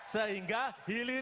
sehingga hilirisasi bahan mentah itu